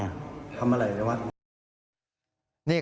ทำอะไรเลยวะ